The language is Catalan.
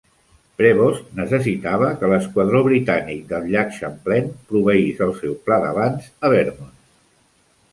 Prevost necessitava que l'esquadró britànic del Llac Champlain proveís el seu pla d'avanç a Vermont.